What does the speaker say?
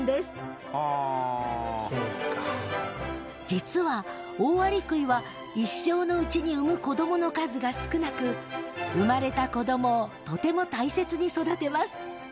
実はオオアリクイは一生のうちに産む子どもの数が少なく生まれた子どもをとても大切に育てます。